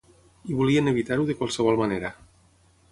I volien evitar-ho de qualsevol manera.